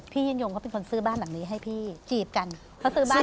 ยินยงเขาเป็นคนซื้อบ้านหลังนี้ให้พี่จีบกันเขาซื้อบ้าน